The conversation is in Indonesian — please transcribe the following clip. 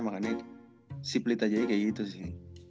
makanya si plit aja ya kayak gitu sih